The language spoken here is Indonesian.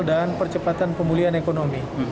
dan percepatan pemulihan ekonomi